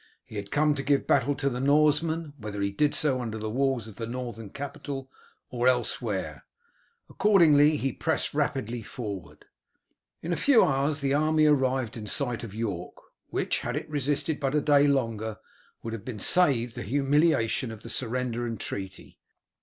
He had come to give battle to the Norsemen, whether he did so under the walls of the northern capital or elsewhere; accordingly he pressed rapidly forward. In a few hours the army arrived in sight of York, which, had it resisted but a day longer, would have been saved the humiliation of the surrender and treaty.